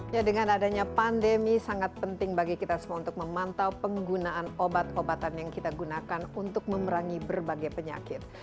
ya dengan adanya pandemi sangat penting bagi kita semua untuk memantau penggunaan obat obatan yang kita gunakan untuk memerangi berbagai penyakit